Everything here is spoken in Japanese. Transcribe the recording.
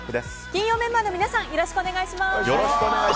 金曜メンバーの皆さんよろしくお願いします。